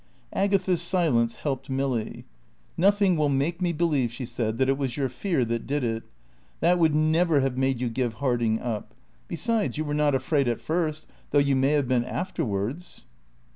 Agatha's silence helped Milly. "Nothing will make me believe," she said, "that it was your fear that did it. That would never have made you give Harding up. Besides, you were not afraid at first, though you may have been afterwards."